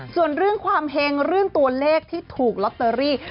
ส่วนเรื่องความเห็งเรื่องตัวเลขที่ถูกลอตเตอรี่